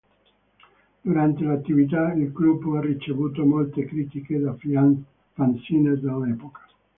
Durante l'attività, il gruppo ha ricevuto molte critiche da fanzine dell'epoca.